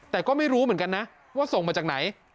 แต่ก็ไม่รู้เหมือนกันนะว่าส่งมาจากไหน